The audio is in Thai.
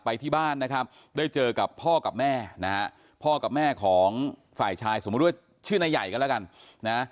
ไปที่บ้านนะครับได้เจอกับพ่อกับแม่นะฮะพ่อกับแม่ของฝ่ายชายสมมุติว่าชื่อนายใหญ่กันแล้วกันนะ